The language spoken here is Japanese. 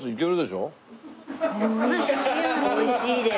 おいしいです。